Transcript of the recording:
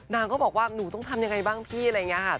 นางก็บอกว่าหนูต้องทำยังไงบ้างพี่อะไรอย่างนี้ค่ะ